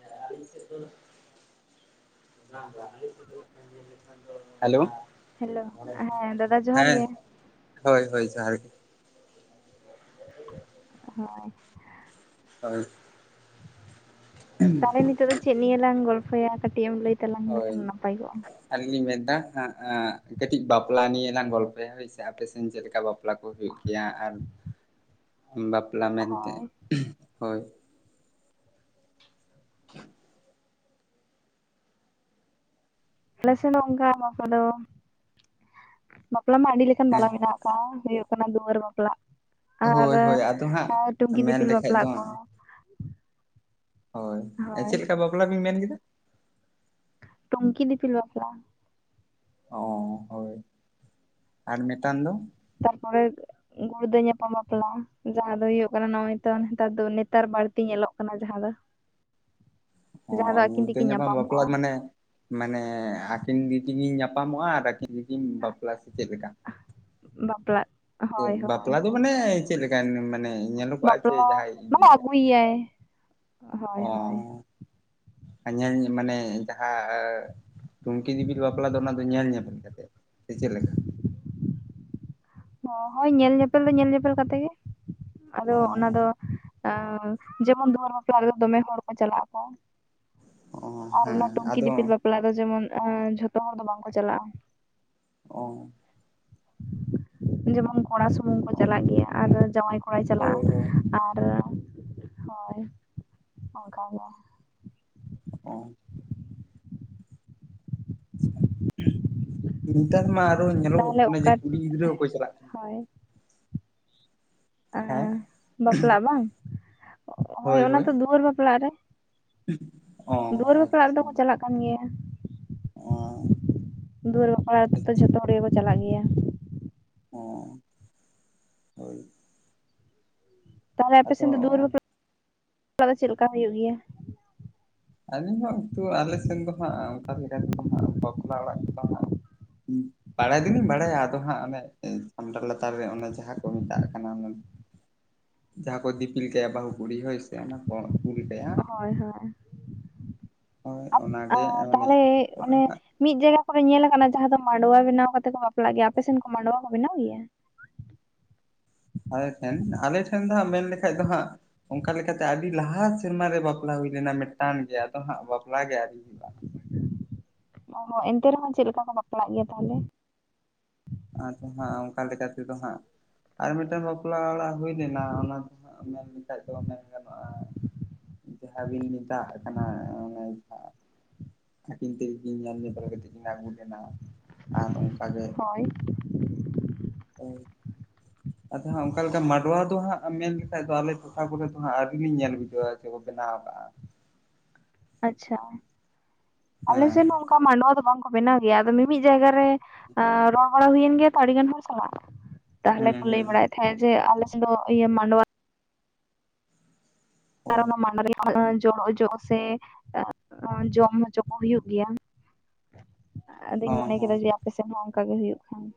ᱦᱮᱸ ᱟᱹᱞᱤᱧ ᱥᱮᱫ ᱫᱚ [unintelligible] ᱵᱟᱝ ᱵᱟᱝ ᱥᱮᱫ ᱫᱚ ᱞᱟᱹᱭ ᱞᱮᱠᱷᱟᱱ ᱫᱚ ᱦᱮᱞᱳ ᱦᱮᱞᱳ ᱦᱮᱸ ᱫᱟᱫᱟ ᱡᱚᱦᱟᱨ ᱦᱮᱸ ᱜᱮ ᱦᱳᱭ ᱦᱳᱭ ᱡᱚᱦᱟᱨ ᱜᱮ ᱦᱚᱭ ᱦᱚᱭ ᱛᱟᱦᱚᱞᱮ ᱱᱤᱛᱚᱜ ᱫᱚ ᱪᱮᱫ ᱱᱤᱭᱟᱹ ᱞᱟᱝ ᱜᱚᱞᱯᱷᱚᱭᱟ ᱠᱟᱹᱴᱤᱡ ᱮᱢ ᱞᱟᱹᱭ ᱛᱟᱞᱟᱝ ᱦᱳᱭ ᱞᱮᱠᱷᱟᱱ ᱱᱟᱯᱟᱭ ᱠᱚᱜ-ᱟ ᱟᱹᱞᱤᱧ ᱞᱤᱧ ᱢᱮᱱ ᱮᱫᱟ ᱠᱟᱹᱴᱤᱡ ᱵᱟᱯᱞᱟ ᱱᱤᱭᱟᱹ ᱞᱟᱝ ᱜᱚᱞᱯᱷᱚᱭᱟ ᱦᱳᱭᱥᱮ ᱟᱯᱮ ᱥᱮᱱ ᱪᱮᱫ ᱞᱮᱠᱟ ᱵᱟᱯᱞᱟ ᱵᱟᱯᱞᱟ ᱠᱚ ᱦᱩᱭᱩᱜ ᱜᱮᱭᱟ ᱟᱨ ᱵᱟᱯᱞᱟ ᱢᱮᱱᱛᱮ ᱦᱳᱭ ᱦᱳᱭ ᱟᱞᱮ ᱥᱮ ᱫᱚ ᱝᱠᱟ ᱵᱟᱯᱞᱟ ᱫᱚ ᱵᱟᱯᱞᱟ ᱢᱟ ᱟᱹᱰᱤ ᱞᱮᱠᱟᱱ ᱵᱟᱞᱟ ᱦᱮᱸ ᱢᱮᱱᱟᱜ ᱠᱚᱣᱟ ᱦᱩᱭᱩᱜᱼᱟ ᱠᱟᱱᱟ ᱫᱩᱣᱟᱹᱨ ᱵᱟᱯᱞᱟᱜ ᱟᱨ ᱦᱳᱭ ᱦᱳᱭ ᱟᱫᱚ ᱦᱟᱸᱜ ᱴᱩᱝᱠᱤ ᱢᱮᱱ ᱫᱤᱯᱤᱞ ᱞᱮᱠᱷᱟᱡ ᱵᱟᱯᱞᱟᱜ ᱫᱚ ᱠᱚ ᱦᱳᱭ ᱦᱳᱭ ᱪᱮᱫ ᱞᱮᱠᱟ ᱵᱟᱯᱞᱟ ᱵᱤᱱ ᱢᱮᱱ ᱠᱮᱫᱟ ᱴᱩᱝᱠᱤ ᱫᱤᱯᱤᱞ ᱵᱟᱯᱞᱟ ᱚ ᱦᱳᱭ ᱟᱨ ᱢᱤᱫᱴᱟᱱ ᱫᱚ ᱛᱟᱨᱯᱚᱨᱮ ᱜᱩᱲᱫᱟᱹ ᱧᱟᱯᱟᱢ ᱵᱟᱯᱞᱟ ᱡᱟᱦᱟᱸ ᱫᱚ ᱦᱩᱭᱩᱜ ᱠᱟᱱᱟ ᱱᱚᱜᱼᱚᱭ ᱛᱚ ᱱᱮᱛᱟᱨ ᱫᱚ ᱱᱮᱛᱟᱨ ᱵᱟᱹᱲᱛᱤ ᱧᱮᱞᱚᱜ ᱠᱟᱱᱟ ᱡᱟᱦᱟᱸ ᱫᱚ [inaudible] ᱚ ᱡᱟᱦᱟᱸ ᱫᱚ ᱟᱹᱠᱤᱱ ᱜᱩᱲᱷᱫᱟ ᱛᱮᱠᱤᱱ ᱧᱟᱯᱟᱢ ᱵᱟᱯᱞᱟᱜ ᱠᱚᱜᱼᱟ ᱢᱟᱱᱮ, ᱢᱟᱱᱮ ᱟᱹᱠᱤᱱ ᱜᱮᱠᱤᱱ ᱧᱟᱯᱟᱢᱚᱜᱼᱟ ᱟᱨ ᱟᱹᱠᱤᱱ ᱜᱮᱠᱤᱱ ᱵᱟᱯᱞᱟ ᱥᱮ ᱪᱮᱫ ᱞᱮᱠᱟ? ᱵᱟᱯᱞᱟᱜ, ᱦᱳᱭ ᱦᱳᱭ ᱵᱟᱯᱞᱟ ᱫᱚ ᱢᱟᱱᱮ ᱪᱮᱫ ᱞᱮᱠᱟᱱ ᱢᱟᱱᱮ, ᱧᱮᱞᱚᱜᱚᱜ ᱪᱮ ᱵᱟᱯᱞᱟ ᱡᱟᱸᱦᱟᱭ ᱢᱟᱱᱮ ᱤᱫᱭᱟ ᱟᱹᱜᱩᱭᱮᱭᱟᱭ ᱦᱳᱭ ᱦᱳᱭ ᱚᱸ, ᱧᱮᱞ ᱢᱟᱱᱮ ᱡᱟᱸᱦᱟ ᱴᱩᱝᱠᱤ ᱫᱤᱯᱤᱞ ᱵᱟᱯᱞᱟ ᱫᱚ ᱚᱱᱟ ᱫᱚ ᱧᱮᱞ ᱧᱮᱯᱮᱞ ᱠᱟᱛᱮ, ᱥᱮ ᱪᱮᱫ ᱞᱮᱠᱟ? ᱦᱳᱭ ᱧᱮᱞ ᱧᱮᱯᱮᱞ ᱫᱚ ᱧᱮᱞ ᱧᱮᱯᱮᱞ ᱠᱟᱛᱮ ᱜᱮ ᱟᱫᱚ ᱚ ᱚᱱᱟ ᱫᱚ ᱟᱸ ᱡᱮᱢᱚᱱ ᱫᱩᱣᱟᱹᱨ ᱵᱟᱯᱞᱟ ᱨᱮ ᱫᱚᱢᱮ ᱦᱚᱲ ᱠᱚ ᱪᱟᱞᱟᱜ ᱟᱠᱚ, ᱚ ᱟᱨ ᱚᱱᱟ ᱦᱮᱸ ᱴᱩᱝᱠᱤ ᱟᱫᱚ ᱫᱤᱯᱤᱞ ᱵᱟᱯᱞᱟ ᱫᱚ ᱡᱮᱢᱚᱱ ᱡᱷᱚᱛᱚ ᱦᱚᱲ ᱫᱚ ᱵᱟᱝᱠᱚ ᱪᱟᱞᱟᱜᱼᱟ ᱾ ᱚ ᱾ ᱡᱮᱢᱚᱱ ᱠᱚᱲᱟ ᱥᱩᱢᱩᱝ ᱠᱚ ᱪᱟᱞᱟᱜ ᱜᱮᱭᱟ ᱟᱨ ᱡᱟᱶᱟᱭ ᱠᱚᱲᱟᱭ ᱪᱟᱞᱟᱜ, ᱦᱳᱭ ᱦᱳᱭ ᱾ ᱟᱨ ᱦᱳᱭ ᱚᱱᱠᱟᱜᱮ, ᱚ ᱾ ᱱᱮᱛᱟᱨ ᱢᱟ ᱟᱨᱚ ᱦᱚᱸ ᱧᱮᱞᱚᱜᱚᱜ ᱛᱟᱦᱚᱞᱮ ᱠᱟᱱᱟ ᱡᱮ ᱚᱠᱟ ᱠᱩᱲᱤ ᱜᱤᱫᱽᱨᱟᱹ ᱦᱚᱸᱠᱚ ᱪᱟᱞᱟᱜ ᱠᱟᱱᱟ ᱾ ᱦᱳᱭ ᱟᱸ ᱦᱮᱸ, ᱵᱟᱯᱞᱟᱜ ᱵᱟᱝ ᱦᱳᱭ ᱚᱱᱟ ᱛᱚ ᱫᱩᱣᱟᱹᱨ ᱵᱟᱯᱞᱟᱜ ᱨᱮ, ᱚ ᱫᱩᱣᱟᱹᱨ ᱵᱟᱯᱞᱟᱜ ᱨᱮᱫᱚ ᱟᱪᱪᱷᱟ ᱠᱚ ᱪᱟᱞᱟᱜ ᱠᱟ ᱠᱟᱱ ᱜᱮᱭᱟ ᱚ ᱫᱩᱣᱟᱹᱨ ᱵᱟᱯᱞᱟ ᱟᱪᱪᱷᱟ ᱡᱷᱚᱛᱚ ᱦᱚᱲ ᱜᱮᱠᱚ ᱪᱟᱞᱟᱜ ᱜᱮᱭᱟ ᱾ ᱚ ᱦᱳᱭ ᱾ ᱛᱟᱦᱚᱞᱮ ᱟᱯᱮᱥᱮᱫ ᱫᱚ ᱫᱩᱣᱟᱹᱨ ᱵᱟᱯᱞᱟ ᱠᱚᱫᱚ ᱪᱮᱫ ᱞᱮᱠᱟ ᱦᱩᱭᱩᱜ ᱜᱮᱭᱟ? ᱟᱹᱞᱤᱧ ᱦᱚᱸ ᱠᱤᱱᱛᱩ ᱟᱞᱮ ᱥᱮᱱ ᱫᱚ ᱦᱟᱸᱜ ᱚᱱᱠᱟ ᱞᱮᱠᱟ ᱛᱮᱫᱚ ᱦᱟᱸᱜ ᱵᱟᱯᱞᱟ ᱚᱲᱟᱜ ᱠᱚᱫᱚ ᱦᱟᱸᱜ, ᱦᱩᱸ ᱵᱟᱲᱟᱭ ᱫᱚᱞᱤᱧ ᱵᱟᱲᱟᱭᱟ ᱟᱫᱚ ᱦᱟᱸᱜ ᱚᱱᱮ ᱪᱷᱟᱢᱰᱟ ᱞᱟᱛᱟᱨ ᱨᱮ ᱚᱱᱮ ᱡᱟᱸᱦᱟ ᱠᱚ ᱢᱮᱛᱟᱜ ᱠᱟᱱᱟ ᱾ ᱡᱟᱸᱦᱟ ᱠᱚ ᱫᱤᱯᱤᱞ ᱠᱟᱭᱟ ᱵᱟᱹᱦᱩ ᱠᱩᱲᱤ ᱦᱳᱭ ᱥᱮ ᱚᱱᱟ ᱠᱚ ᱛᱩᱞ ᱠᱟᱭᱟ ᱾ ᱦᱳᱭ ᱦᱚᱭ ᱦᱳᱭ ᱚᱱᱟᱜᱮ ᱢᱟᱱᱮ ᱛᱟᱦᱚᱞᱮ ᱚᱱᱮ, ᱢᱤᱫ ᱡᱟᱭᱜᱟ ᱠᱚᱨᱮ ᱧᱮᱞ ᱟᱠᱟᱱᱟ ᱡᱟᱸᱦᱟ ᱫᱚ ᱢᱟᱰᱣᱟ ᱵᱮᱱᱟᱣ ᱠᱟᱛᱮ ᱠᱚ ᱵᱟᱯᱞᱟᱜ ᱜᱮᱭᱟ ᱟᱯᱮᱥᱮᱱ ᱠᱚ ᱢᱟᱰᱣᱟ ᱠᱚ ᱵᱮᱱᱟᱣ ᱜᱮᱭᱟ? ᱟᱞᱮ ᱴᱷᱮᱱ ᱟᱞᱮ ᱴᱷᱮᱱ ᱫᱚ ᱦᱟᱸᱜ ᱢᱮᱱ ᱞᱮᱠᱷᱟᱡ ᱫᱚ ᱦᱟᱸᱜ, ᱚᱱᱠᱟ ᱞᱮᱠᱟᱛᱮ ᱟᱹᱰᱤ ᱞᱟᱦᱟ ᱥᱮᱨᱢᱟ ᱨᱮ ᱵᱟᱯᱞᱟ ᱦᱩᱭ ᱞᱮᱱᱟ ᱢᱤᱫᱴᱟᱝ ᱜᱮ ᱟᱫᱚ ᱦᱟᱸᱜ ᱵᱟᱯᱞᱟ ᱜᱮ ᱟᱹᱣᱨᱤ ᱦᱩᱭᱩᱜᱼᱟ ᱾ ᱚ ᱦᱚᱸ ᱮᱱᱛᱮ ᱨᱮᱦᱚᱸ ᱪᱮᱫ ᱞᱮᱠᱟ ᱠᱚ ᱵᱟᱯᱞᱟᱜ ᱜᱮᱭᱟ ᱛᱟᱦᱚᱞᱮ? ᱟᱫᱚ ᱦᱟᱸᱜ ᱚᱱᱠᱟ ᱞᱮᱠᱟ ᱛᱮᱫᱚ ᱦᱟᱸᱜ, ᱟᱨ ᱢᱤᱫᱴᱟᱝ ᱵᱟᱯᱞᱟ ᱚᱲᱟᱜ ᱦᱩᱭ ᱞᱮᱱᱟ ᱚᱱᱟ ᱫᱚ ᱢᱮᱱ ᱞᱮᱠᱷᱟᱡ ᱫᱚ ᱢᱮᱱ ᱜᱟᱱᱚᱜᱼᱟ ᱾ ᱡᱟᱸᱦᱟ ᱵᱤᱱ ᱢᱮᱛᱟᱜ ᱠᱟᱱᱟ ᱡᱟᱸᱦᱟ, ᱟᱹᱠᱤᱱ ᱛᱮᱠᱤᱱ ᱧᱮᱞ ᱧᱮᱯᱮᱞ ᱠᱟᱛᱮ ᱠᱤᱱ ᱟᱹᱜᱩ ᱞᱮᱱᱟ ᱟᱨ ᱚᱱᱠᱟ ᱜᱮ, ᱦᱳᱭ ᱾ ᱯᱟᱹᱦᱤᱞ, ᱟᱫᱚ ᱦᱟᱸᱜ ᱚᱱᱠᱟ ᱞᱮᱠᱟ ᱢᱟᱰᱣᱟ ᱫᱚ ᱦᱟᱸᱜ ᱢᱮᱱ ᱞᱮᱠᱟᱱ ᱫᱚ ᱟᱞᱮ ᱴᱚᱴᱷᱟ ᱠᱚᱨᱮ ᱫᱚ ᱦᱟᱸᱜ ᱟᱹᱣᱨᱤ ᱞᱤᱧ ᱧᱮᱞ ᱵᱩᱡᱷᱟᱹᱣᱟ ᱡᱮ ᱥᱮ ᱠᱚ ᱵᱮᱱᱟᱣ ᱟᱠᱟᱫᱼᱟ ᱾ ᱟᱪᱪᱷᱟ ᱟᱞᱮ ᱦᱮᱸ ᱥᱮᱫ ᱦᱚᱸ ᱚᱱᱠᱟ ᱢᱟᱰᱣᱟ ᱫᱚ ᱵᱟᱝᱠᱚ ᱵᱮᱱᱟᱣ ᱜᱮᱭᱟ ᱟᱫᱚ ᱢᱤᱢᱤᱫ ᱡᱟᱭᱜᱟ ᱨᱮ, ᱮᱸ ᱨᱚᱲ ᱵᱟᱲᱟ ᱦᱩᱭᱮᱱ ᱜᱮᱭᱟ ᱛᱚ ᱟᱹᱰᱤ ᱜᱟᱱ ᱦᱚᱲ ᱥᱟᱞᱟᱜ, ᱛᱟᱦᱚᱞᱮ ᱦᱩᱸ ᱠᱚ ᱞᱟᱹᱭ ᱦᱩᱸ ᱵᱟᱲᱟᱭᱮᱫ ᱛᱟᱦᱮᱸᱫ ᱡᱮ ᱟᱞᱮ ᱥᱮᱫ ᱫᱚ ᱤᱭᱟ. ᱢᱟᱰᱣᱟ, ᱟᱨ ᱦᱳᱭ ᱚᱱᱟ ᱢᱟᱱ ᱫᱟᱨᱮ ᱠᱷᱚᱡᱽ [unintelligible] ᱡᱚ ᱥᱮ ᱡᱚᱢ ᱦᱚᱪᱚ ᱠᱚ ᱦᱩᱭᱩᱜ ᱜᱮᱭᱟ ᱾ ᱟᱫᱚᱧ ᱦᱚᱸ ᱢᱚᱱᱮ ᱦᱚᱸ ᱠᱮᱫᱟ ᱡᱮ ᱟᱯᱮ ᱥᱮᱫ ᱦᱚᱸ ᱚᱱᱠᱟᱜᱮ ᱦᱩᱭᱩᱜ ᱠᱷᱟᱱ ᱾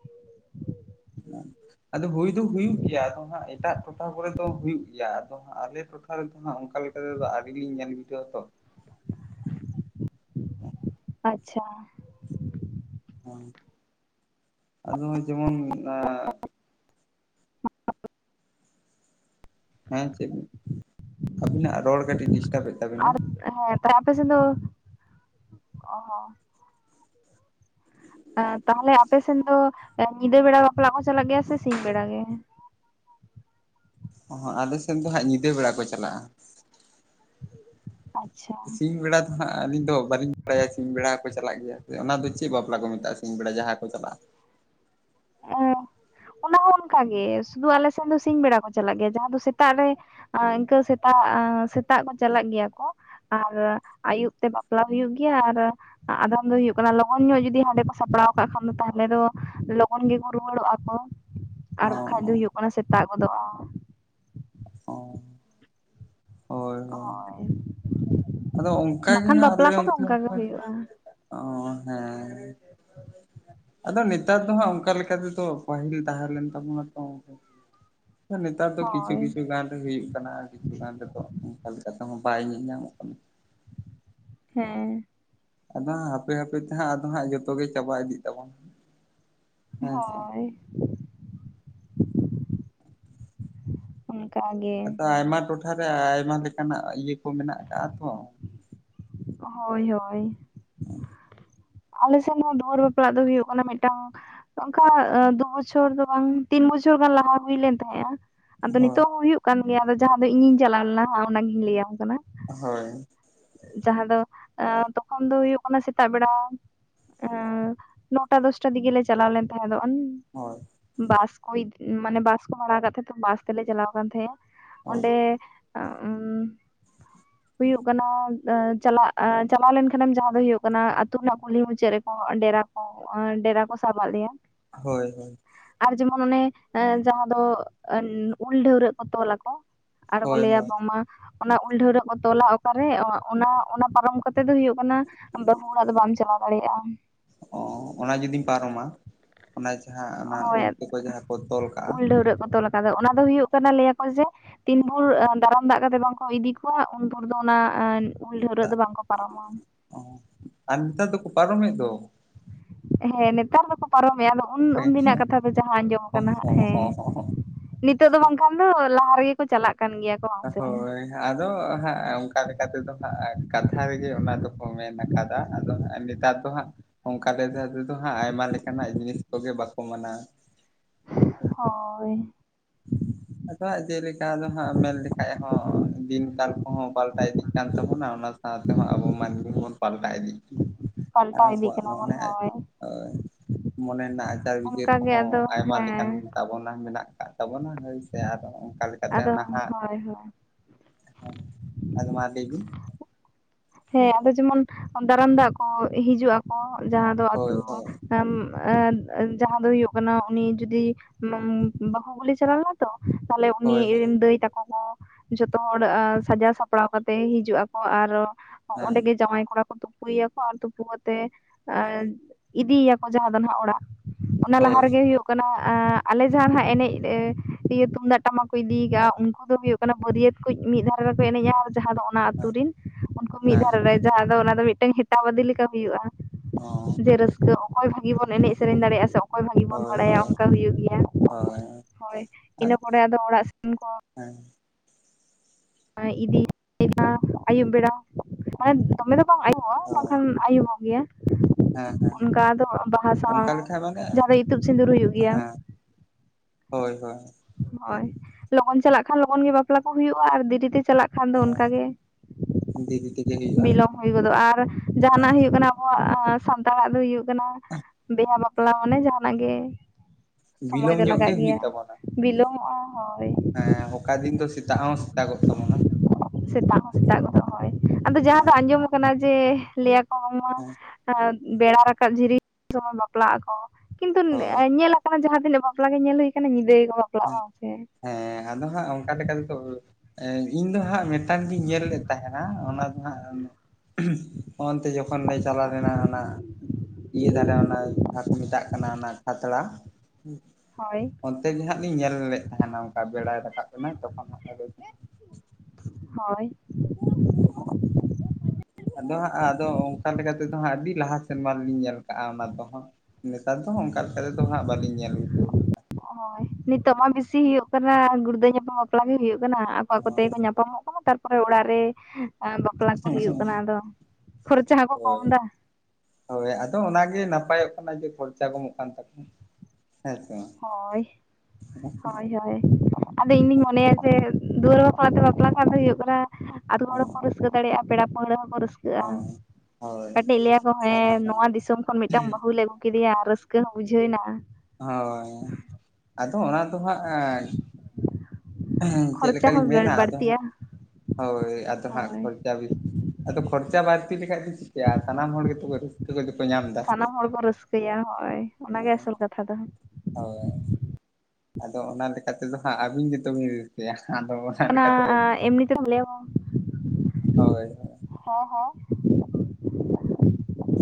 ᱟᱫᱚ ᱦᱩᱭ ᱫᱚ ᱦᱩᱭᱩᱜ ᱜᱮᱭᱟ ᱟᱫᱚ ᱦᱟᱸᱜ ᱮᱴᱟᱜ ᱴᱚᱴᱷᱟ ᱠᱚᱨᱮ ᱫᱚ ᱦᱩᱭᱩᱜ ᱜᱮᱭᱟ ᱟᱫᱚ ᱦᱟᱜ ᱟᱞᱮ ᱴᱚ ᱴᱚᱴᱷᱟ ᱨᱮᱫᱚ ᱚᱱᱠᱟ ᱞᱮᱠᱟ ᱛᱮᱫᱚ ᱟᱹᱣᱨᱤ ᱞᱤᱧ ᱧᱮᱞ ᱵᱤᱴᱟᱹᱣᱟ ᱛᱚ, [inaudible] ᱟᱪᱪᱷᱟ ᱾ [unintelligible] ᱟᱫᱚ ᱡᱮᱢᱚᱱ [inaudible] ᱦᱮᱸ ᱪᱮᱫ ᱵ ᱟᱵᱤᱱᱟᱜ ᱨᱚᱲ ᱠᱟᱹᱴᱤᱡ ᱰᱤᱥᱴᱟᱵᱮᱫ ᱛᱟᱵᱤᱱᱟ ᱟᱨ ᱦᱮᱸ ᱛ ᱟᱯᱮ ᱥᱮᱫ ᱫᱚ ᱚ ᱦᱚᱸ ᱛᱟᱦᱚᱞᱮ ᱟᱯᱮᱥᱱ ᱫᱚ ᱧᱤᱫᱟᱹ ᱵᱮᱲᱟ ᱵᱟᱯᱞᱟ ᱠᱚ ᱪᱟᱞᱟᱜ ᱜᱮᱭᱟ ᱥᱮ ᱥᱤᱧ ᱵᱮᱲᱟ ᱜᱮ ᱚ ᱟᱞᱮ ᱥᱮᱱ ᱫᱚ ᱦᱟᱸᱜ ᱧᱤᱫᱟᱹ ᱵᱮᱲᱟ ᱠᱚ ᱪᱟᱞᱟᱜᱼᱟ ᱟᱪᱪᱷᱟ ᱥᱤᱧ ᱵᱮᱲᱟ ᱟᱹᱞᱤᱧ ᱫᱚ ᱵᱟᱹᱞᱤᱧ ᱵᱟᱲᱟᱭᱟ ᱥᱤᱧ ᱵᱮᱲᱟ ᱦᱚᱸᱠᱚ ᱪᱟᱞᱟᱜ ᱜᱮᱭᱟ ᱚᱱᱟ ᱫᱚ ᱪᱮᱫ ᱵᱟᱯᱞᱟ ᱠᱚ ᱢᱮᱛᱟᱜᱼᱟ ᱥᱤᱧ ᱵᱮᱲᱟ ᱡᱟᱦᱟᱸ ᱠᱚ ᱪᱟᱞᱟᱜᱼᱟ ᱮ ᱚᱱᱟ ᱦᱚᱸ ᱚᱱᱠᱟᱜ ᱜᱮ ᱥᱩᱫᱷᱩ ᱟᱞᱮ ᱥᱮᱱ ᱫᱚ ᱥᱤᱧ ᱵᱮᱲᱟ ᱠᱚ ᱪᱟᱞᱟᱜ ᱜᱮᱭᱟ ᱡᱟᱦᱟᱸ ᱫᱚ ᱥᱮᱛᱟᱜ ᱨᱮ ᱤᱱᱠᱟᱹ ᱥᱮᱛᱟᱜ ᱥᱮᱛᱟᱜ ᱠᱚ ᱪᱟᱞᱟᱜ ᱜᱮᱭᱟ ᱠᱚ ᱟᱨ ᱟᱭᱩᱵ ᱛᱮ ᱵᱟᱯᱞᱟ ᱦᱩᱭᱩᱜ ᱜᱮᱭᱟ ᱟ ᱨ ᱟᱫᱷᱚᱢ ᱫᱚ ᱦᱩᱭᱩᱜ ᱠᱟᱱᱟ ᱞᱚᱜᱚᱱ ᱧᱚᱜ ᱡᱩᱚᱫᱤ ᱦᱟᱸᱰᱮ ᱠᱚ ᱥᱟᱯᱲᱟᱣ ᱠᱟᱜ ᱠᱷᱟᱱ ᱫᱚ ᱛᱟᱦᱚᱞᱮ ᱫᱚ ᱩᱱ ᱜᱮᱠᱚ ᱨᱩᱣᱟᱹᱲᱚᱜᱼᱟ ᱠᱚ ᱟᱨ ᱵᱟᱠᱷᱟᱱᱡ ᱫᱚ ᱚ ᱦᱩᱭᱩᱜ ᱠᱟᱱᱟ ᱥᱮᱛᱟᱜ ᱜᱚᱫᱚᱜᱼᱟ ᱚ ᱦᱳᱭ ᱟᱫᱚ ᱚᱱᱠᱟᱟᱜ ᱜᱮ ᱵᱟᱠᱷᱟᱱ ᱦᱟᱸᱜ ᱟᱞᱮ ᱵᱟᱯᱞᱟ ᱠᱚᱫᱚ ᱚᱱᱛᱮ ᱦᱚᱸ ᱜᱮ ᱚᱱᱠᱟ ᱦᱩᱭᱩᱜᱼᱟ ᱚ ᱦᱮᱸ ᱟᱫᱚ ᱱᱮᱛᱟᱨ ᱫᱚ ᱦᱟᱸᱜ ᱚᱱᱠᱟ ᱞᱮᱠᱟ ᱛᱮᱫᱚ ᱯᱟᱹᱦᱤᱞ ᱛᱟᱦᱮᱸᱞᱮᱱ ᱛᱟᱵᱚᱱᱟ ᱛᱚ [inaudible] ᱱᱮᱛᱟᱨ ᱫᱚ ᱠᱤᱪᱩ ᱦᱳᱭ ᱠᱤᱪᱩ ᱜᱟᱱ ᱨᱮ ᱦᱩᱭᱩᱜ ᱠᱤᱪᱷᱩᱩᱜᱟᱱ ᱨᱮᱫᱚ ᱚᱱᱠᱟ ᱛᱮᱦᱚᱸ ᱵᱟᱭ ᱧᱮᱞ ᱧᱟᱢᱚᱜ ᱠᱟᱱᱟ ᱦᱮᱸ ᱟᱫᱚ ᱦᱟᱜ ᱦᱟᱯᱮ ᱦᱟᱯᱮ ᱛᱮ ᱦᱟᱸᱜ ᱟᱫᱚ ᱦᱟᱸᱜ ᱡᱚᱛᱚᱜ ᱜᱮ ᱪᱟᱵᱟ ᱤᱫᱤᱜ ᱛᱟᱵᱚᱱᱟ ᱦᱮᱸ ᱥᱮ ᱦᱳᱭ ᱚᱱᱠᱟᱜᱮ ᱟᱫᱚ ᱟᱭᱢᱟ ᱴᱚᱴᱷᱟᱨᱮ ᱟᱭᱢᱟ ᱞᱮᱠᱟᱱᱟᱜ ᱤᱭᱟᱹ ᱠᱚ ᱢᱮᱱᱟᱜ ᱠᱟᱜ ᱼ ᱟ ᱛᱚ ᱦᱳᱭ ᱦᱳᱭ [inaudible] ᱟᱞᱮ ᱥᱮᱫᱱᱟᱜ ᱫᱷᱚᱨ ᱵᱟᱯᱞᱟᱜ ᱫᱚ ᱦᱩᱭᱩᱜᱜ ᱠᱟᱱᱟ ᱢᱤᱫᱴᱟᱝ ᱚᱱᱠᱟ ᱫᱩ ᱵᱚᱪᱷᱚᱨ ᱫᱚ ᱵᱟᱝ ᱛᱤᱱ ᱵᱚᱪᱷᱚᱨ ᱜᱟᱱ ᱞᱟᱦᱟ ᱦᱩᱭ ᱞᱮᱱ ᱛᱟᱸᱦᱮᱜᱼᱟ ᱟᱫᱚ ᱦᱳᱭ ᱱᱤᱛᱚᱜ ᱦᱚᱸ ᱦᱩᱭᱩᱜ ᱠᱟᱱ ᱜᱮᱭᱟ ᱟᱫᱚ ᱡᱟᱦᱟᱸ ᱫᱚ ᱤᱧᱤᱧ ᱪᱟᱞᱟᱣ ᱞᱮᱱᱟ ᱚᱱᱟᱜᱤᱧ ᱞᱟᱹᱭᱟᱢ ᱠᱟᱱᱟ ᱦᱳᱭ ᱡᱟᱦᱟᱸ ᱫᱚ ᱛᱚᱠᱷᱚᱱ ᱫᱚ ᱦᱩᱭᱩᱜ ᱠᱟᱱᱟ ᱥᱮᱛᱟᱜ ᱵᱮᱲᱟ ᱟ ᱱᱚᱴᱟ ᱫᱚᱥᱴᱟ ᱫᱤᱜᱮ ᱞᱮ ᱪᱟᱞᱟᱣ ᱞᱮᱱ ᱛᱟᱦᱮᱸ ᱫᱚᱜ -ᱟᱱ ᱦᱳᱭ ᱵᱟᱥ ᱠᱚᱭᱤᱡᱽ ᱢᱟᱱᱮ ᱵᱟᱥ ᱠᱚ ᱵᱷᱟᱲᱟ ᱟᱠᱟᱫ ᱛᱟᱦᱮᱸ ᱛᱚ ᱵᱟᱥ ᱛᱮᱞᱮ ᱪᱟᱞᱟᱣ ᱠᱟᱱ ᱛᱟᱦᱮᱸᱜᱼᱟ ᱦᱳᱭ ᱚᱸᱰᱮ ᱮ ᱦᱩᱭᱩᱜ ᱠᱟᱱᱟ ᱮ ᱪᱟᱞᱟᱜ ᱪᱟᱞᱟᱣ ᱞᱮᱱᱠᱷᱟᱱᱮᱢ ᱡᱟᱦᱟᱸ ᱫᱚ ᱦ ᱦᱩᱭᱩᱜ ᱠᱟᱱᱟ ᱟ ᱟᱹᱛᱩ ᱨᱮᱱᱟᱜ ᱠᱩᱞᱦᱤ ᱢᱩᱪᱟᱹᱫ ᱨᱮᱠᱚ ᱰᱮᱨᱟ ᱚ ᱰᱮᱨᱟ ᱠᱚ ᱥᱟᱵ-ᱟᱫ ᱞᱮᱭᱟ ᱦᱳᱭ ᱦᱳᱭ ᱟᱨ ᱡᱮᱢᱚᱱ ᱚᱱᱮ ᱡᱟᱦᱟᱸ ᱫᱚ ᱩᱞ ᱰᱷᱟᱹᱣᱨᱟᱹᱜ ᱠᱚ ᱛᱚᱞᱟᱠᱚ ᱟᱨᱠᱚ ᱦᱳᱭ ᱞᱟᱹᱭᱟ ᱦᱳᱭ ᱵᱟᱝᱢᱟ ᱚᱱᱟ ᱩᱞ ᱰᱷᱟᱹᱣᱨᱟᱹᱜ ᱠᱚ ᱛᱚᱞᱟ ᱚᱠᱟᱨᱮ ᱚᱱᱟ ᱚᱱᱟ ᱯᱟᱨᱚᱢ ᱠᱟᱛᱮᱜ ᱫᱚ ᱦᱩᱭᱩᱜ ᱠᱟᱱᱟ ᱵᱟᱹᱦᱩ ᱚᱲᱟᱜ ᱫᱚ ᱵᱟᱢ ᱪᱟᱞᱟᱣ ᱫᱟᱲᱮᱭᱟᱜᱼᱟ ᱚ ᱚᱱᱟ ᱡᱩᱫᱤᱢ ᱯᱟᱨᱚᱢᱟ ᱚᱱᱟ ᱡᱟᱦᱟᱸ ᱚᱱᱟ ᱩᱞ ᱛᱮᱠᱚ ᱡᱟᱦᱟᱸ ᱠᱚ ᱛᱚᱞ ᱠᱟᱜᱼᱟ ᱰᱟᱹᱣᱟᱹᱜ ᱠᱚ ᱛᱚᱞ ᱟᱫᱚ ᱚᱱᱟ ᱫᱚ ᱦᱩᱭᱩᱜ ᱠᱟᱱᱟ ᱞᱟᱹᱭᱟᱠᱚ ᱡᱮ ᱛᱤᱱ ᱵᱷᱳᱨ ᱫᱟᱨᱟᱢ ᱫᱟᱜ ᱠᱟᱛᱮᱜ ᱵᱟᱝᱠᱚ ᱤᱫᱤ ᱠᱚᱣᱟ ᱩᱱᱯᱚᱨ ᱫᱚ ᱚᱱᱟ ᱩᱞ ᱰᱷᱟᱹᱨᱟᱹᱜ ᱫᱚ ᱵᱟᱝᱠᱚ ᱯᱟᱨᱚᱢᱟ ᱚ ᱟᱨ ᱱᱮᱛᱟᱨ ᱫᱚᱠᱚ ᱯᱟᱨᱚᱢᱮᱫ ᱫᱚ ᱦᱮᱸ ᱱᱮᱛᱟᱨ ᱫᱚᱠᱚ ᱯᱟᱨᱚᱢᱮᱜᱼᱟ ᱟᱫᱚ ᱩᱱ ᱦᱮᱸ ᱩᱱᱫᱤᱱᱟᱜ ᱦᱮᱸ ᱠᱟᱛᱷᱟ ᱫᱚ ᱡᱟᱦᱟᱸ ᱟᱸᱡᱚᱢ ᱠᱟᱱᱟ ᱦᱮᱸ ᱱᱤᱛᱚᱜ ᱫᱚ ᱵᱟᱝᱠᱷᱟᱱ ᱫᱚ ᱞᱟᱦᱟ ᱨᱮᱜᱮ ᱠᱚ ᱪᱟᱞᱟᱜ ᱠᱟᱱ ᱜᱮᱭᱟ ᱠᱚ ᱵᱟᱝ ᱥᱮ ᱦᱳᱭ ᱟᱫᱚ ᱦᱟᱸᱜ ᱚᱱᱠᱟ ᱞᱮᱠᱟ ᱛᱮᱫᱚ ᱦᱟᱸᱜ ᱠᱟᱛᱷᱟ ᱨᱮᱜᱮ ᱚᱱᱟ ᱫᱚᱠᱚ ᱢᱮᱱᱠ ᱟᱫᱚ ᱮᱤᱛ ᱫᱚ [unintelligible] ᱚᱱᱠᱟᱞ ᱫᱷᱟᱨ ᱛᱮᱫᱚ ᱦᱟᱸᱜ ᱟᱭᱢᱟ ᱞᱮᱠᱟᱱᱟᱜ ᱡᱤᱱᱤᱥ ᱠᱚᱜᱮ ᱵᱟᱠᱚ ᱢᱟᱱᱟ ᱦᱳᱭ ᱟᱫᱚᱷᱟᱜ ᱡᱮᱞᱮᱠᱟ ᱫᱚ ᱦᱟᱸᱜ ᱢᱮᱱ ᱞᱮᱠᱷᱟᱡ ᱦᱚᱸ ᱫᱤᱱ ᱠᱟᱞ ᱠᱚᱦᱚᱸ ᱯᱟᱞᱴᱟᱣ ᱤᱫᱤᱜ ᱠᱟᱱ ᱛᱟᱵᱚᱱᱟ ᱚᱱᱟ ᱥᱟᱶᱛᱮᱦᱚᱸ ᱟᱵᱚ ᱢᱟᱹᱱᱢᱤ ᱦᱚᱸᱵᱚᱱ ᱯᱟᱞᱴᱟᱣ ᱤᱫᱤᱜ ᱜᱮᱭᱟ ᱯᱟᱞᱴᱟᱣ [inaudible] ᱤᱫᱤᱜ ᱠᱚᱣᱟᱜ ᱠᱟᱱᱟ ᱵᱚᱱ ᱢᱚᱱᱮ ᱦᱳᱭ ᱳᱚᱭ ᱢᱚᱱᱮ ᱨᱮᱱᱟᱜ ᱟᱪᱟᱨ ᱵᱤᱪᱟᱹᱨ ᱚᱱᱠᱟ ᱜᱮ ᱠᱚᱦᱚᱸ ᱟᱫᱚ ᱟᱭᱢᱟ ᱞᱮᱠᱟᱱ ᱦᱮᱸ ᱜᱮᱛᱟᱵᱚᱱᱟ ᱢᱮᱱᱟᱜ ᱟᱠᱟᱫ ᱛᱟᱵᱚᱱᱟ ᱦᱳᱭ ᱥᱮ ᱟᱨ ᱚᱱᱠᱟ ᱞᱮᱠᱟᱛᱮ ᱟᱫᱚ ᱱᱟᱦᱟᱜ ᱦᱳᱭ ᱦᱳᱭ ᱦ ᱟᱫᱚ ᱢᱟᱨ ᱜᱮ ᱦᱮᱸ ᱟᱫᱚ ᱡᱮᱢᱚᱱ ᱫᱟᱨᱟᱢ ᱫᱟᱜ ᱠᱚ ᱦᱤᱡᱩᱜ ᱟᱠᱚ ᱡᱟᱦᱟᱸ ᱫᱚᱛ ᱦᱳᱭ ᱦᱳᱭ ᱡᱟᱦᱟᱸ ᱫᱚ ᱦᱩᱭᱩᱜ ᱠᱟᱱᱟ ᱩᱱᱤ ᱡᱩᱫᱤ ᱵᱟᱹᱦᱩ ᱜᱩᱞᱤ ᱪᱟᱞᱟᱣ ᱞᱮᱱᱟ ᱛᱚ ᱛᱟᱦᱚᱞᱮ ᱩᱱᱤ ᱦᱳᱭ ᱦᱳᱭ ᱨᱮᱱ ᱫᱟᱹᱭ ᱛᱟᱠᱚ ᱦᱚᱸ ᱡᱷᱚᱛᱚ ᱦᱚᱲ ᱥᱟᱡᱟᱣ ᱥᱟᱯᱲᱟᱣ ᱠᱟᱛᱮ ᱦᱤᱡᱩᱜᱼᱟᱠᱚ ᱟᱨ ᱦᱮᱸ ᱚᱸᱰᱮ ᱜᱮ ᱡᱟᱶᱟᱭ ᱠᱚᱲᱟ ᱛᱩᱯᱩᱭᱮᱭᱟᱠᱚ ᱟᱨ ᱛᱩᱯᱩ ᱠᱟᱛᱮᱜ ᱤᱫᱤᱭᱮᱭᱟᱠᱚ ᱡᱟᱦᱟᱸ ᱫᱚ ᱦᱟᱜ ᱚᱲᱟᱜ ᱚᱱᱟ ᱞᱟᱦᱟ ᱦᱳᱭ ᱨᱮᱜᱮ ᱦᱩᱭᱩᱜᱼᱟ ᱦᱩᱭᱩᱜ ᱟᱞᱮ ᱡᱟᱦᱟᱸᱱᱟᱜ ᱮᱱᱮᱡ ᱛᱩᱢᱫᱟᱜ ᱴᱟᱢᱟᱠ ᱠᱚ ᱤᱫᱤᱭ ᱟᱠᱟᱟᱜᱼᱟ ᱩᱱᱠᱩ ᱫᱚ ᱦᱩᱭᱩᱜ ᱠᱟᱱᱟ ᱵᱟᱹᱨᱭᱟᱹᱛ ᱠᱚ ᱢᱤᱫ ᱫᱷᱟᱨᱮ ᱨᱮᱠᱚ ᱮᱱᱮᱡᱼᱟ ᱟᱨ ᱡᱟᱦᱟᱸ ᱫᱚ ᱚᱱᱟ ᱦᱮᱸ ᱟᱛᱩᱨᱤᱱ ᱩᱱᱠᱩ ᱢᱤᱫ ᱦᱮᱸ ᱫᱷᱟᱨᱮ ᱨᱮ ᱡᱟᱦᱟᱸ ᱫᱚ ᱚᱱᱟ ᱫᱚ ᱢᱤᱫᱴᱟᱝ ᱦᱮᱛᱟ ᱵᱟᱫᱤ ᱞᱮᱠᱟ ᱦᱩᱭᱩᱜᱼᱟ ᱚ [inaudible] ᱡᱮ ᱨᱟᱹᱥᱠᱟᱹ ᱚᱠᱚᱭ ᱵᱷᱟᱜᱤ ᱵᱚᱱ ᱮᱱᱮᱡ ᱥᱮᱹᱨᱮᱧ ᱫᱟᱲᱮᱭᱟᱜᱼᱟ ᱥᱮ ᱚᱠᱚᱭ ᱵᱷᱟᱜᱤ ᱵᱚᱱ ᱦᱳᱭ ᱵᱟᱲᱟᱭᱟ ᱦᱳᱭ ᱚᱱᱠᱟ ᱦᱩᱭᱩᱜ ᱜᱮᱭᱟ [unintelligible] ᱦᱳᱭ ᱦᱳᱭ ᱤᱱᱟᱹ ᱯᱚᱨᱮ ᱟᱫᱚ ᱚᱲᱟᱜ ᱥᱮᱱ ᱠᱚ [inaudible] ᱦᱮᱸ ᱤᱫᱤᱭᱟ ᱟᱹᱭᱩᱵ ᱵᱮᱲᱟ ᱢᱟᱱᱮ ᱫᱚᱢᱮ ᱫᱚ ᱵᱟᱝ ᱟᱭᱩᱵ [inaudible] ᱦᱳᱭ ᱵᱟᱝᱠᱷᱟᱱ ᱟᱭᱩᱵᱚᱜ ᱜᱮᱭᱟ [inaudible] ᱦᱮᱸ ᱦᱮᱸ ᱚᱱᱠᱟ ᱫᱚ ᱵᱟᱦᱟ ᱥᱟᱶ ᱚᱱᱠᱟ ᱞᱮᱠᱷᱟ ᱵᱟᱝᱮ ᱡᱟᱦᱟᱸ ᱫᱚ ᱤᱛᱩᱫ ᱥᱤᱸᱫᱩᱨ ᱦᱩᱭᱩᱜ ᱜᱮᱭᱟ ᱦᱮᱸ [inaudible] ᱦᱳᱭ ᱦᱳᱭ ᱦᱳᱭ ᱞᱚᱜᱚᱱ ᱪᱟᱞᱟᱜ ᱠᱷᱟᱱ ᱞᱚᱜᱚᱱ ᱜᱮ ᱵᱟᱯᱞᱟ ᱠᱚ ᱦᱩᱭᱩᱜᱼᱟ ᱟᱨ ᱫᱮᱨᱤᱛᱮ ᱪᱟᱞᱟᱜ ᱠᱷ ᱠᱷᱟᱱ ᱫᱚ ᱦᱮᱸ ᱚᱱᱠᱟᱜᱮ ᱫᱮᱨᱤ ᱛᱮᱜᱮ ᱦᱩᱭᱩᱜᱼᱟ ᱵᱤᱞᱚᱢ ᱦᱩᱭ ᱜᱚᱫᱚᱜᱼᱟ ᱟᱨ ᱦᱮᱸ ᱡᱟᱦᱟᱱᱟᱜ ᱦᱩᱭᱩᱜ ᱠᱟᱱᱟ ᱟᱵᱚᱣᱟᱜ ᱥᱟᱱᱛᱟᱲᱟᱜ ᱫᱚ ᱦᱩᱭᱩᱜ ᱠᱟᱱᱟ ᱵᱤᱦᱟᱟᱹ ᱵᱟᱯᱞᱟ ᱢᱟᱱᱮ ᱡᱟᱦᱟᱱᱟᱜ ᱜᱮ ᱥᱚᱢᱚᱭ ᱵᱤᱞᱚᱢ ᱫᱚ ᱧᱚᱜ ᱜᱮ ᱞᱟᱜᱟᱜ ᱦᱩᱭᱩᱜ ᱜᱮᱭᱟ ᱛᱟᱵᱚᱱᱟ ᱵᱤᱞᱚᱢᱚᱜᱼᱟ ᱦᱳᱭ ᱦᱮᱸ ᱚᱠᱟ ᱫᱤᱱ ᱫᱚ ᱥᱮᱛᱟᱜ ᱦᱚᱸ ᱥᱮᱛᱟᱜᱚᱜ ᱛᱟᱵᱚᱱᱟ ᱥᱮᱛᱟᱜ ᱦᱚᱸ ᱥᱮᱛᱟᱜ ᱠᱚᱫᱚᱚᱦᱚᱭ ᱟᱫᱚ ᱡᱟᱦᱟᱸ ᱦᱮᱸ ᱫᱚ ᱟᱸᱡᱚᱢ ᱠᱟᱱᱟ ᱡᱮ ᱞᱟᱹᱭᱭᱟᱠᱚ ᱢᱟ ᱦᱮᱸ ᱵᱮᱲᱟ ᱨᱟᱠᱟᱵ ᱡᱷᱤᱨᱤ ᱥᱚᱢᱚᱭ ᱵᱟᱯᱞᱟᱜ ᱟᱠᱚ ᱠᱤᱱᱛᱩ ᱦᱳᱭ ᱧᱮᱞ ᱟᱠᱟᱱᱟ ᱡᱟᱦᱟᱸ ᱛᱤᱱᱟᱹᱜ ᱵᱟᱯᱞᱟ ᱜᱮ ᱧᱮᱞ ᱦᱩᱭ ᱟᱠᱟᱱᱟ ᱧᱤᱫᱟᱹᱭ ᱜᱮ ᱦᱮᱸ ᱵᱟᱯᱞᱟᱟᱜ ᱥᱮ ᱦᱮᱸ ᱟᱫᱚ ᱦᱟᱸᱜ ᱚᱱᱠᱟ ᱞᱮᱠᱟᱛᱚ [unintelligible] ᱤᱧ ᱫᱚ ᱦᱟᱸᱜ ᱢᱤᱫᱴᱟᱝ ᱜᱤᱧ ᱧᱮᱞ ᱞᱮᱫ ᱛᱟᱦᱮᱱᱟ ᱚᱱᱟ ᱫᱚ ᱦᱟᱸᱜ ᱚᱱᱛᱮ ᱡᱚᱠᱷᱚᱱ ᱞᱮ ᱪᱟᱞᱟᱣ ᱞᱮᱱᱟ ᱚᱱᱟ ᱤᱭᱟᱹ ᱫᱷᱟᱨᱮ ᱚᱱᱟ ᱡᱟᱦᱟᱸ ᱠᱚ ᱢᱮᱛᱟᱜ ᱠᱟᱱᱟ ᱚᱱᱟ ᱠᱷᱟᱛᱲᱟ ᱦᱳᱭ ᱚᱱᱛᱮ ᱜᱮ ᱦᱟᱸᱜ ᱞᱤᱧ ᱧᱮᱞ ᱞᱮᱫ ᱛᱟᱦᱮᱱᱟ ᱚᱱᱠᱟ ᱵᱮᱲᱟᱭ ᱨᱟᱠᱟᱵ ᱮᱱᱟ ᱛᱚᱠᱷᱚᱱ ᱦᱟᱸ ᱦᱳᱭ [unintelligible] ᱟᱫᱚ ᱦᱟᱸᱜ ᱟᱫᱚ ᱚᱱᱠᱟ ᱞᱮᱠᱟ ᱛᱮᱫᱚ ᱦᱟᱸᱜ ᱟᱹᱰᱤ ᱞᱟᱦᱟ ᱥᱮᱨᱢᱟ ᱨᱮᱞᱤᱧ ᱧᱮᱞ ᱟᱠᱟᱟᱜᱼᱟ ᱚᱱᱟ ᱫᱚ ᱦᱟᱸᱜ ᱱᱮᱛᱟᱨ ᱫᱚᱦ ᱚᱱᱠᱟ ᱞᱮᱠᱟᱛᱮᱫᱚ ᱦᱟᱸᱟᱜ ᱵᱟᱞᱤᱧ ᱧᱮᱞ ᱜᱚᱫᱣᱟ ᱦᱳᱭ ᱱᱤᱛᱚᱜ ᱢᱟ ᱵᱮᱥᱤ ᱦᱩᱭᱩᱜ ᱠᱟᱱᱟ ᱜᱩᱲᱫᱟᱹ ᱧᱟᱢᱚᱜ ᱵᱟᱯᱞᱟ ᱜᱮ ᱦᱩᱭᱩᱜ ᱠᱟᱱᱟ ᱟᱠᱚ ᱠᱚᱛᱮ ᱠᱚ ᱧᱟᱯᱟᱢᱚᱜ ᱠᱟᱱᱟ ᱛᱟᱨᱯᱚᱨᱮ ᱚᱲᱟᱜ ᱨᱮ ᱵᱟᱯᱞᱟ ᱠᱚ ᱦᱩᱭᱩᱜ ᱠᱟᱱᱟ ᱟᱫᱚ, ᱠᱷᱚᱨᱪᱟ ᱦᱚᱸᱠᱚ ᱠᱚᱢ ᱦᱳᱭ ᱮᱫᱟ᱾ ᱦᱳᱭ ᱟᱫᱚ ᱚᱱᱟᱜᱮ ᱱᱟᱯᱟᱭᱚᱜ ᱠᱟᱱᱟ ᱡᱮ ᱠᱷᱚᱨᱪᱟ ᱠᱚᱢᱚᱜ ᱠᱟᱱ ᱛᱟᱠᱚᱣᱟ᱾ ᱦᱮᱸ ᱛᱚ᱾ ᱦᱳᱭ ᱦᱳᱭ ᱦᱳᱭ᱾ ᱟᱫᱚ ᱤᱧ ᱫᱩᱧ ᱢᱚᱱᱮᱭᱟ ᱡᱮ ᱫᱩᱣᱟᱹᱨ ᱵᱟᱯᱞᱟᱛᱮ ᱵᱟᱯᱞᱟ ᱠᱷᱟᱱ ᱫᱚ ᱦᱩᱭᱩᱜ ᱠᱟᱱᱟ ᱟᱛ ᱦᱚᱲ ᱦᱮᱸ ᱠᱚ ᱨᱟᱹᱥᱠᱟᱹ᱾ ᱫᱟᱲᱭᱟᱜᱼᱟ ᱯᱮᱲᱟ ᱯᱟᱹᱲᱦᱟᱹ ᱦᱚᱸ ᱨᱟᱹᱥ ᱦᱳᱭᱳᱜ-ᱟ, ᱦᱳᱭ ᱦᱳᱭ ᱠᱟᱹᱴᱤᱡ ᱞᱟᱹᱭᱟ ᱠᱚ ᱦᱮᱸ ᱥᱟᱱᱟᱢ ᱱᱚᱣᱟ ᱫᱤᱥᱚᱢ ᱠᱷᱚᱱ ᱢᱤᱫᱴᱟᱝ ᱵᱟᱹᱦᱩ ᱞᱮ ᱟᱹᱜᱩ ᱠᱮᱫᱮᱭᱟ ᱟᱨ ᱨᱟᱹᱥᱠᱟᱹ ᱦᱚᱸ ᱵᱩᱡᱷᱟᱹᱣ ᱮᱱᱟ᱾ ᱦᱳᱭ ᱟᱫᱚ ᱚᱱᱟ ᱫᱚ ᱦᱟᱸᱜ ᱮᱻ ᱪᱮᱫ ᱠᱷᱚᱨᱪᱟ ᱦᱚᱸ ᱞᱮᱠᱟᱞᱤᱧ ᱢᱮᱱᱟ ᱟᱫᱚ ᱵᱟᱹᱲᱛᱤᱜᱼᱟ ᱦᱟᱸᱜ ᱦᱳᱭ ᱟᱫᱚ ᱦᱟᱸᱜ ᱦᱳᱭ ᱠᱷᱚᱨᱪᱟ ᱵᱮᱥᱤ ᱟᱫᱚ ᱠᱷᱚᱨᱪᱟ ᱵᱟᱹᱲᱛᱤ ᱞᱮᱠᱷᱟᱡ ᱫᱚ ᱪᱤᱠᱟᱹᱭᱟ ᱥᱟᱱᱟᱢ ᱦᱚᱲ ᱜᱮᱛᱚ ᱨᱟᱹᱥᱠᱟᱹ ᱫᱚ ᱨᱟᱹᱥ ᱥᱟᱱᱟᱢ ᱦᱚᱲ ᱠᱚ ᱨᱟᱹᱥᱠᱟᱹᱭᱟ ᱦᱳᱭ, ᱚᱱᱟᱜᱮ ᱟᱥᱚᱞ ᱠᱟᱛᱷᱟ ᱫᱚ᱾ ᱦᱳᱭ᱾ ᱟᱫᱚ ᱚᱱᱟ ᱞᱮᱠᱟ ᱛᱮᱫᱚ ᱦᱟᱸᱜ ᱟᱹᱵᱤᱱ ᱜᱮᱛᱚᱚᱵᱤᱱ ᱨᱟᱹᱥᱠᱟᱹᱭᱟ᱾ ᱟᱫᱚ ᱚᱱᱟ ᱞᱮᱠᱟᱛᱮ ᱦᱳᱭ ᱮᱢᱱᱤ [unintelligible] ᱦᱮᱸ ᱦᱮᱸ ᱦᱳᱭ ᱦᱳᱭ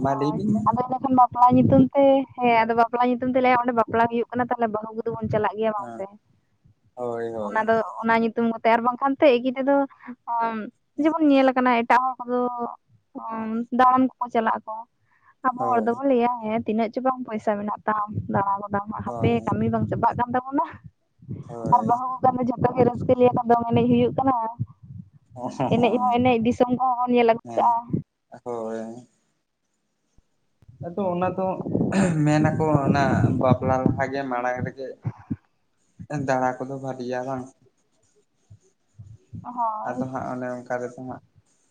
ᱢᱟ ᱞᱟᱹᱭ ᱵᱤᱱ ᱢᱟ ᱟᱫᱚ ᱚᱱᱟ ᱮ ᱵᱟᱯᱞᱟ ᱧᱩᱛᱩᱢ ᱛᱮ ᱦᱮᱸ ᱟᱫᱚ ᱵᱟᱯᱞᱟ ᱧᱩᱛᱩᱢ ᱛᱮ ᱞᱟᱹ ᱚᱸᱰᱮ ᱵᱟᱯᱞᱟ ᱦᱩᱭᱩᱜ ᱠᱟᱱᱟ ᱛᱟᱦᱮ ᱵᱟᱹᱩᱫᱚ ᱵᱚᱱ ᱪᱟᱞᱟᱜ ᱜᱤᱭᱟ ᱵᱟᱝ ᱥᱮ, ᱦᱳᱭ ᱦᱳᱭ ᱚᱱᱟ ᱫᱚ ᱚᱱᱟ ᱧᱩᱛᱩᱢᱛᱮ ᱟᱨ ᱵᱟᱝᱠᱷᱟᱱ ᱮᱠᱤ ᱛᱮᱫᱚ ᱚᱢ ᱡᱮᱢᱚᱱ ᱧᱮᱞᱟᱠ ᱮᱴᱟᱜ ᱦᱚᱲ ᱠᱚᱫᱚ ᱫᱟᱬᱟᱱ ᱠᱚᱠᱚ ᱪᱟᱞᱟᱜ ᱟᱠᱚ, ᱟᱵᱚ ᱦᱚᱲ ᱦᱳᱭ ᱫᱚᱵᱚ ᱞᱟᱹᱭᱟ ᱦᱮᱸ ᱛᱤᱱᱟᱹᱜ ᱪᱚ ᱵᱟᱝ ᱯᱚᱭᱥᱟ ᱢᱮᱱᱟᱜ ᱛᱟᱢ ᱫᱟᱬᱟ ᱜᱚᱫᱟᱢ ᱦᱟᱯᱮ ᱦᱳᱭ ᱠᱟᱹᱢᱤ ᱵᱟᱝ ᱪᱟᱵᱟᱜ ᱠᱟᱱ ᱛᱟᱵᱚᱱᱟ᱾ ᱟᱨ ᱦᱳᱭ ᱵᱟᱹᱦᱩ ᱠᱚ ᱠᱟᱱ ᱫᱚ ᱡᱷᱚᱛᱚ ᱜᱮ ᱨᱟᱹᱥᱠᱟᱹ ᱞᱮᱠᱷᱟᱱ ᱫᱚᱝ ᱮᱱᱮᱡ ᱦᱩᱭᱩᱜ ᱠᱟᱱᱟ᱾ ᱮᱱᱮᱡ ᱦᱚᱸ ᱮᱱᱮᱡ ᱫᱤᱥᱚᱢ ᱠᱚᱦᱚᱸ ᱵᱚᱱ ᱧᱮᱞ ᱟᱹᱜᱩ ᱦᱮᱸ ᱠᱟᱜᱼᱟ᱾ ᱦᱳᱭ᱾ ᱟᱫᱚ ᱚᱱᱟ ᱫᱚ ᱢᱮᱱᱟᱠᱚ ᱚᱱᱟ ᱵᱟᱯᱞᱟ ᱞᱟᱦᱟᱜᱮ ᱢᱟᱲᱟᱝ ᱨᱮᱜᱮ ᱫᱟᱬᱟ ᱠᱚᱫᱚ ᱵᱷᱞᱤᱭᱟ ᱵᱟᱝ ᱦᱳᱭ ᱟᱫᱚ ᱦᱟᱸᱜ ᱚᱱᱮ ᱚᱱᱠᱟ ᱨᱮᱫᱚ ᱦᱟᱸᱜ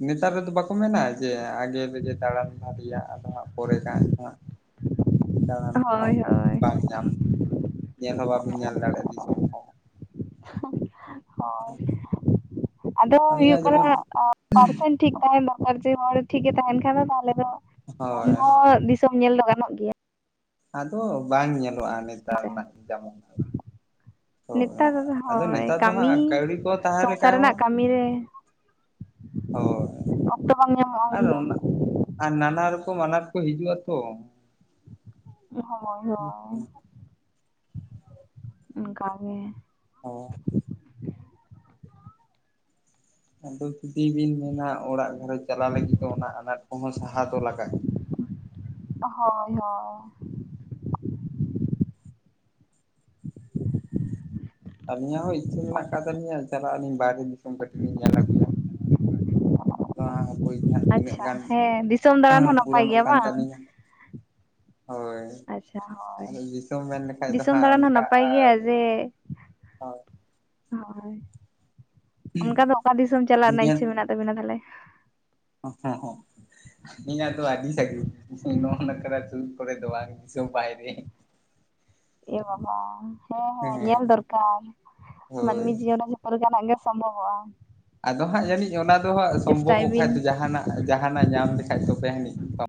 ᱱᱮᱛᱟᱨ ᱨᱮᱫᱚ ᱵᱟᱠᱚ ᱢᱮᱱᱟ ᱡᱮ ᱟᱜᱮ ᱨᱮᱜᱮ ᱫᱟᱬᱟᱱ ᱵᱷᱟᱜᱤᱭᱟ ᱟᱫᱚ ᱦᱟᱸᱜ ᱯᱚᱨᱮ ᱦᱟᱸᱜ [inaudible] ᱫᱟᱬᱟᱱ ᱠᱚᱦᱚᱸ ᱦᱳᱭ ᱦᱳᱭ ᱵᱟᱝ ᱧᱟᱢ, ᱧᱮᱞ ᱦᱚᱸ ᱵᱟᱵᱤᱱ ᱧᱮᱞ ᱫᱟᱲᱮᱭᱟᱜᱼᱟ ᱫᱤᱥᱚᱢ ᱠᱚᱦᱚᱸ᱾ ᱦᱳᱭ ᱟᱫᱚ ᱦᱩᱭᱩᱜ ᱟᱹᱞᱤᱧᱟᱜ ᱠᱟᱱᱟ ᱡᱮᱢᱚᱱ ᱯᱟᱨᱥᱮᱱ ᱴᱷᱤᱠ ᱛᱟᱦᱮᱱ ᱫᱚᱨᱠᱟᱨ ᱱᱤᱡᱮ ᱦᱚᱲ ᱴᱷᱤᱠᱮ ᱛᱟᱦᱮᱱ ᱠᱷᱟᱱ ᱫᱚ ᱛᱟᱦᱚᱞᱮ ᱫᱚ ᱩᱱ ᱦᱳᱭ ᱦᱚᱸ ᱫᱤᱥᱚᱢ ᱧᱮᱞ ᱫᱚ ᱜᱟᱱᱚᱜ ᱜᱮᱭᱟ᱾ ᱟᱫᱚ ᱵᱟᱝ ᱧᱮᱞᱚᱜᱼᱟ, ᱱᱮᱛᱟᱨ ᱦᱮᱸᱥᱮ ᱨᱮᱱᱟᱜ ᱡᱮᱢᱚᱱ ᱱᱮᱛᱟᱨ ᱦᱳᱭ ᱱᱮᱛᱟᱨ ᱫᱚ ᱠᱟᱹᱢᱤ ᱦᱟᱸᱜ ᱠᱟᱹᱣᱰᱤ ᱠᱚ ᱛᱟᱦᱮᱸ ᱥᱚᱝᱥᱟᱨ ᱞᱮᱠᱷᱟᱡ ᱨᱮᱱᱟᱜ ᱦᱚᱸ ᱠᱟᱹᱢᱤ ᱨᱮ ᱦᱳᱭ ᱚᱠᱛᱚ ᱵᱟᱝ ᱧᱟᱢᱚᱜᱼᱟ ᱩᱱ ᱟᱨ ᱫᱚ᱾ ᱚᱱᱟ ᱟᱨ ᱱᱟᱱᱟ ᱨᱚᱠᱚᱢ ᱟᱱᱟᱴ ᱠᱚ ᱦᱤᱡᱩᱜᱼᱟ ᱛᱚ᱾ ᱦᱳᱭ ᱦᱳᱭ᱾ ᱚᱱᱠᱟᱜᱮ᱾ ᱦᱳᱭ ᱟᱫᱚ ᱡᱩᱫᱤ ᱵᱤᱱ ᱢᱮᱱᱟ ᱚᱲᱟᱜ ᱜᱷᱟᱨᱚᱸᱡᱽ ᱪᱟᱟᱞᱟᱜ ᱞᱟᱹᱜᱤᱫ ᱫᱚ ᱚᱱᱟ ᱟᱱᱟᱴ ᱠᱚᱦᱚᱸ ᱥᱟᱦᱟ ᱫᱚ ᱞᱟᱜᱟᱜ ᱦᱳᱭ ᱦᱳᱭ᱾ ᱟᱨᱞᱤᱟᱜ ᱦᱚᱸ ᱤᱪᱪᱷᱟᱹ ᱢᱮᱱᱟᱜ ᱟᱠᱟᱫ ᱛᱟᱹᱟᱞᱤᱧᱟ ᱪᱟᱞᱟᱜ ᱟᱹᱞᱤᱧ ᱵᱟᱭᱨᱮ ᱫᱤᱥᱚᱢ ᱠᱟᱹᱴᱤᱡ ᱞᱤᱧ ᱧᱮᱞ ᱟᱹᱜᱩᱭᱟ᱾ [unintelligible] ᱱᱚᱣᱟ ᱦᱟᱹᱯᱤ ᱦᱟᱸᱜ ᱛᱤᱱᱟᱹᱜ ᱟᱪᱪᱷᱟ ᱜᱟᱱ ᱦᱮᱸ ᱫᱤᱥᱚᱢ ᱫᱟᱬᱟᱱ ᱦᱚᱸ ᱱᱟᱯᱟᱭ ᱯᱩᱨᱚᱱᱚᱜ ᱜᱮᱭᱟ ᱠᱟᱱ ᱵᱟᱝ ᱛᱟᱞᱤᱧᱟ᱾ ᱦᱳᱭ ᱟᱪᱪᱷᱟ ᱦᱳᱭ ᱟᱫᱚ ᱫᱤᱥᱚᱢ ᱢᱮᱱ ᱞᱮᱠᱷᱷᱟ ᱫᱚ ᱫᱤᱥᱚᱢ ᱦᱟᱸᱜ ᱫᱟᱬᱟᱱ ᱦᱚᱸ ᱚᱱᱠᱟ ᱱᱟᱯᱟᱭ ᱜᱮᱭᱟ ᱡᱮ ᱦᱳᱭ ᱦᱳᱭ ᱚᱱᱠᱟ ᱫᱚ ᱚᱠᱟ ᱫᱤᱥᱚᱢ ᱪᱟᱞᱟᱜ ᱨᱮᱱᱟᱜ ᱤᱧᱟᱹᱜ ᱤᱪᱪᱷᱟᱹ ᱢᱮᱱᱟᱜ ᱛᱟᱵᱤᱱᱟ ᱛᱟᱦᱚᱞᱮ ᱦᱚᱸ ᱤᱧᱟᱜᱟ ᱫᱚ ᱟᱰᱤ ᱥᱟᱜᱤᱧ ᱱᱚᱼᱚ ᱱᱚᱠᱟ ᱱᱟ ᱥᱩᱨ ᱠᱚᱨᱮ ᱫᱚ ᱵᱟᱝ ᱫᱤᱥᱚᱢ ᱵᱟᱭᱨᱮ ᱮ ᱵᱟᱵᱟ ᱦᱮᱸ ᱦᱮᱸ ᱧᱮᱞ ᱫᱚᱨᱠᱟᱨ ᱦᱳᱭ᱾ ᱢᱟᱱᱢᱤ ᱡᱤᱭᱚᱱ ᱯᱚᱨᱮ ᱡᱟᱦᱟᱱᱦᱟᱜ ᱜᱮ ᱥᱚᱢᱵᱷᱚᱵᱚᱜᱼᱟ᱾ ᱟᱫᱚ ᱦᱟᱸᱜ ᱡᱟᱹᱱᱤᱡ ᱚᱱᱟ ᱫᱚ ᱦᱟᱸᱜ ᱪᱮᱥᱴᱟᱭ ᱥᱚᱢᱵᱷᱚᱵᱚᱜ ᱠᱷᱟᱡ ᱵᱤᱱ ᱫᱚ ᱡᱟᱦᱱᱟᱜ ᱡᱟᱦᱟᱱᱟᱜ ᱧᱟᱢ ᱞᱮᱠᱟᱱᱡ ᱛᱚᱵᱮ ᱟᱹᱱᱤᱡ